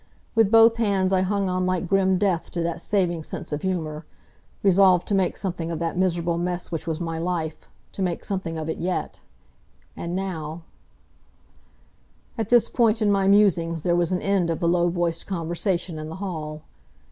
With both hands I hung on like grim death to that saving sense of humor, resolved to make something of that miserable mess which was my life to make something of it yet. And now At this point in my musings there was an end of the low voiced conversation in the hall.